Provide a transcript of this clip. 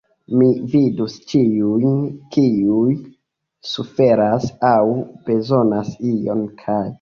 Mi vidus ĉiujn, kiuj suferas aŭ bezonas ion kaj.